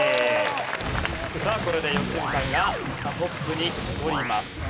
さあこれで良純さんがまたトップに戻ります。